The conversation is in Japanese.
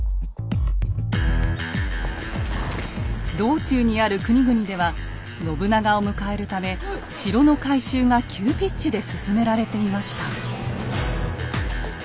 道中にある国々では信長を迎えるため城の改修が急ピッチで進められていました。